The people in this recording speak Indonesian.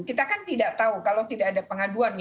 kita kan tidak tahu kalau tidak ada pengaduan